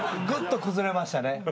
ぐっと崩れましたね。